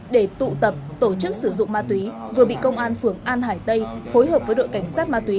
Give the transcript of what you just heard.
để tụ tập tổ chức sử dụng ma túy vừa bị công an phường an hải tây phối hợp với đội cảnh sát ma túy